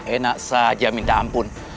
enak saja minta ampun